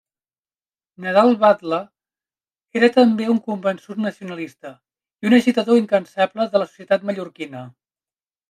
Nadal Batle era també un convençut nacionalista i un agitador incansable de la societat mallorquina.